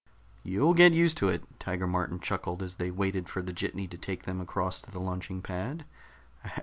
"You'll get used to it," Tiger Martin chuckled as they waited for the jitney to take them across to the launching pad.